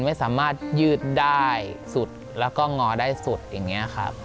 ไม่สามารถยืดได้สุดแล้วก็งอได้สุดอย่างนี้ครับ